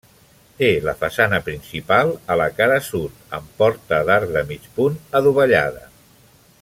Té la façana principal a la cara sud, amb porta d'arc de mig punt adovellada.